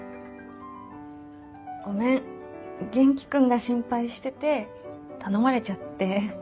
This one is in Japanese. ごめん元気君が心配してて頼まれちゃって。